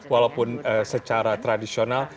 walaupun secara tradisional